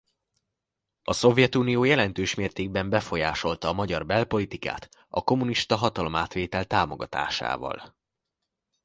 A Szovjetunió jelentős mértékben befolyásolta a magyar belpolitikát a kommunista hatalomátvétel támogatásával.